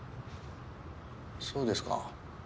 そうですか。